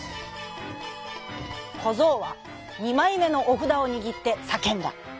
こぞうはにまいめのおふだをにぎってさけんだ。